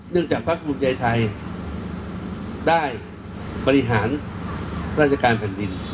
เนื่องจากพระคุมใยไทยได้บริหารราชการแผ่นดิน